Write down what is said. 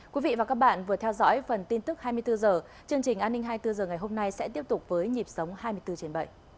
quý vị và các bạn vừa theo dõi phần tin tức hai mươi bốn h chương trình an ninh hai mươi bốn h ngày hôm nay sẽ tiếp tục với nhịp sống hai mươi bốn trên bảy